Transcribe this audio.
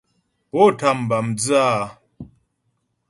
Pó tám bǎ mdzə́ a ?